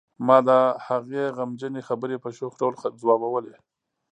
ما د هغې غمجنې خبرې په شوخ ډول ځوابولې